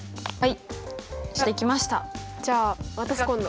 はい！